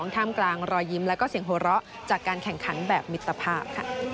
ท่ามกลางรอยยิ้มและเสียงหัวเราะจากการแข่งขันแบบมิตรภาพ